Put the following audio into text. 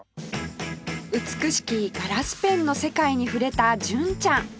美しきガラスペンの世界に触れた純ちゃん